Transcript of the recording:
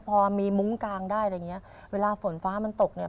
พอมีมุ้งกลางได้อะไรอย่างเงี้ยเวลาฝนฟ้ามันตกเนี้ย